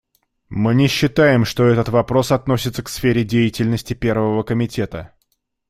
Мы не считаем, что этот вопрос относится к сфере деятельности Первого комитета.